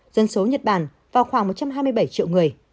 dân số nhật bản vào khoảng một trăm hai mươi bảy triệu người